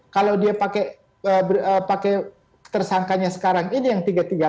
kalau dia pakai tersangkanya sekarang ini yang tiga ratus tiga puluh